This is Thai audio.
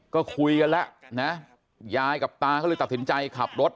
ก็คุยกันแล้วนะยายกับตาก็เลยตัดสินใจขับรถ